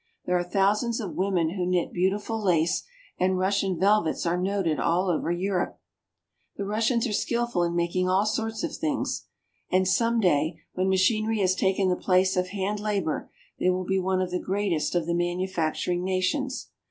There are thousands of women who knit beautiful lace, and Russian velvets are noted all over Europe. The Russians are skillful in making all sorts of things, Moscow. 343 and some day, when machinery has taken the place of hand labor, they will be one of the greatest of the manu facturing nations.